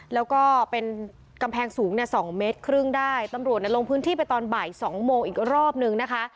แล้วก็เป็นกำแพงสูง๒๕เมตรได้ตำรวจลงพื้นที่ไปตอนบ่าย๒โมงอีกรอบนึงนะคะ